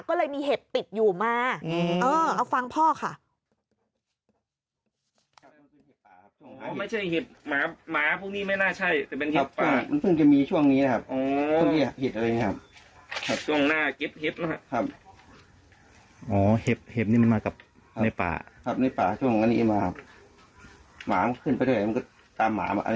ก็เลยมีเห็บติดอยู่มาเอาฟังพ่อค่ะ